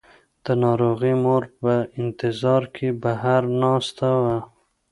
د ناروغې مور په انتظار کې بهر ناسته وه.